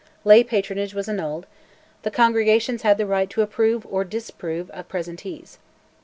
Lay patronage was annulled: the congregations had the right to approve or disapprove of presentees.